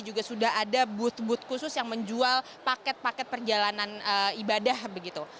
juga sudah ada booth booth khusus yang menjual paket paket perjalanan ibadah begitu